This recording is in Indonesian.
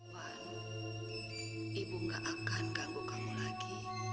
wan ibu nggak akan ganggu kamu lagi